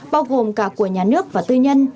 bao gồm cả của nhà nước và tư nhân